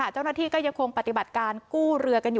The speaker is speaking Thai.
เจ้าหน้าที่ก็ยังคงปฏิบัติการกู้เรือกันอยู่